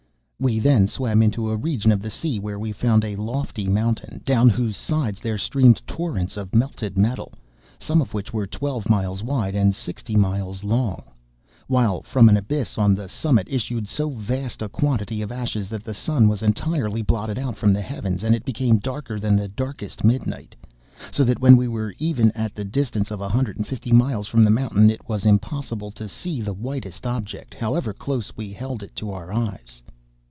"'We then swam into a region of the sea where we found a lofty mountain, down whose sides there streamed torrents of melted metal, some of which were twelve miles wide and sixty miles long (*4); while from an abyss on the summit, issued so vast a quantity of ashes that the sun was entirely blotted out from the heavens, and it became darker than the darkest midnight; so that when we were even at the distance of a hundred and fifty miles from the mountain, it was impossible to see the whitest object, however close we held it to our eyes.